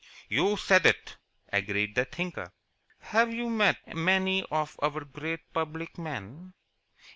"You said it," agreed the Thinker. "Have you met many of our great public men?"